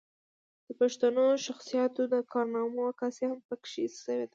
د پښتنو شخصياتو د کارنامو عکاسي هم پکښې شوې ده